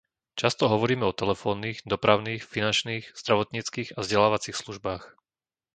Často hovoríme o telefónnych, dopravných, finančných, zdravotníckych a vzdelávacích službách.